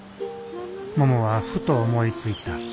ももはふと思いついた。